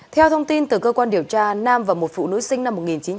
theo thông tin từ cơ quan điều tra nam và một phụ nữ sinh năm một nghìn chín trăm tám mươi